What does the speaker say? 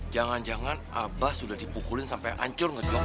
jangan jangan aba sudah dipukulin sampai ancur ngejokrak